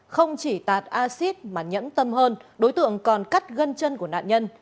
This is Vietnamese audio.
không chỉ tạt acid mà nhẫn tâm hơn đối tượng còn cắt gân chân của nạn nhân